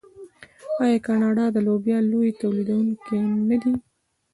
آیا کاناډا د لوبیا لوی تولیدونکی نه دی؟